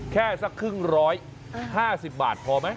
แค่สัก๕๐๐แบต๕๐บาทพอไหม